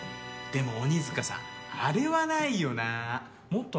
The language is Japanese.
でも鬼塚さんあれはないよな。